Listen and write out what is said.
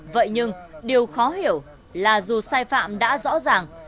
vậy nhưng điều khó hiểu là dù sai phạm đã rõ ràng